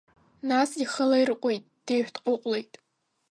Нас ихы лаирҟәит, деиҳәҭҟәыҟәлеит.